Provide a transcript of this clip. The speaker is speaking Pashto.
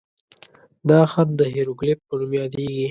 دا خط د هیروګلیف په نوم یادېده.